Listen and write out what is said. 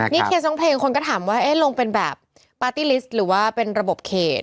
นี่เคสร้องเพลงคนก็ถามว่าลงเป็นแบบปาร์ตี้ลิสต์หรือว่าเป็นระบบเขต